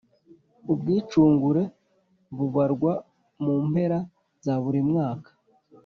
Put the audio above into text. Ubwicungure bubarwa mu mpera za buri mwaka